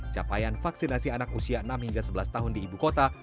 capaian vaksinasi anak usia enam hingga sebelas tahun di ibu kota